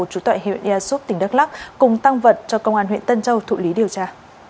trú tại huyện erup tỉnh đắk lắc cùng tăng vật cho công an huyện tân châu thụ lý điều tra